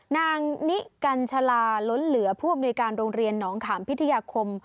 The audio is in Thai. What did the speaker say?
นางนิกัญชาลาล้นเหลือผู้อำนวยการโรงเรียนหนองขามพิทยาคม